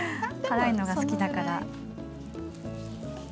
辛いのが好きだから。